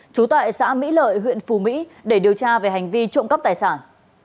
trú tại xã mỹ lợi huyện phù mỹ để điều tra về hành vi trộm cắp tài sản